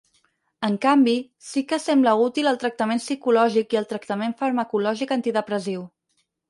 En canvi, sí que sembla útil el tractament psicològic i el tractament farmacològic antidepressiu.